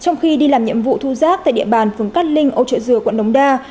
nhiệm vụ thu rác tại địa bàn phường cát linh âu trợ dừa quận đống đa